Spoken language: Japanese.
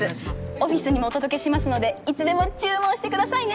オフィスにもお届けしますのでいつでも注文してくださいね。